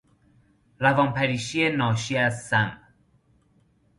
روان پریشی ناشی ازسم